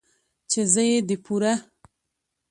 ،چې زه يې د پوره